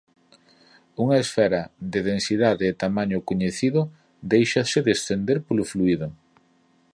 Unha esfera de densidade e tamaño coñecido déixase descender polo fluído.